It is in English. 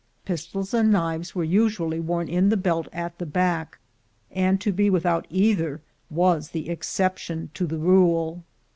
L Pistols and knives were usually worn in the belt at the back, and to be without either was the exception to the rule.